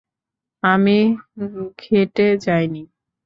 আমি ঘেঁটে যাইনি!